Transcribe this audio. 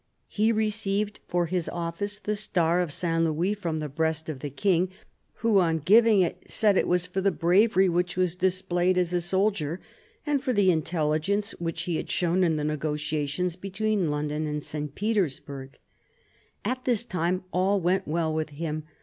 He received for this office the Star of St. Louis from the breast of the king, who on giving it said it was for the bravery which he had displayed as a soldier, and for the intelligence which he had shown in the negotiations between London and St. Petersburg. At this time all went well with him.